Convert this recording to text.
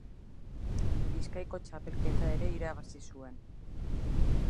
Bizkaiko Txapelketa ere irabazi zuen.